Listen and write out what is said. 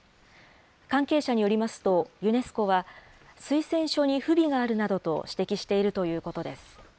関係者によりますと、ユネスコは、推薦書に不備があるなどと指摘しているということです。